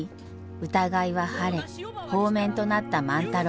疑いは晴れ放免となった万太郎。